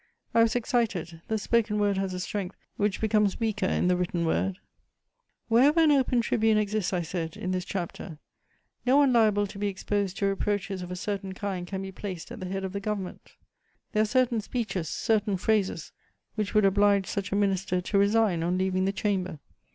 I was excited; the spoken word has a strength which becomes weaker in the written word: "Wherever an open tribune exists," I said, in this chapter, "no one liable to be exposed to reproaches of a certain kind can be placed at the head of the government There are certain speeches, certain phrases, which would oblige such a minister to resign on leaving the Chamber.